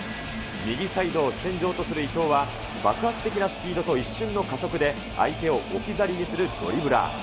右サイドを主戦場とする伊東は、爆発的なスピードと一瞬の加速で、相手を置き去りにするドリブラー。